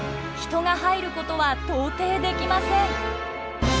人が入ることは到底できません。